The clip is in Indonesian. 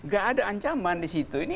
gak ada ancaman disitu